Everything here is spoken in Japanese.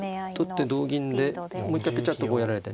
取って同銀でもう一回ぺちゃっとこうやられてね。